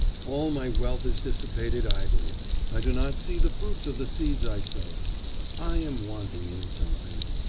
All my wealth is dissipated idly; I do not see the fruits of the seeds I sow. I am wanting in something.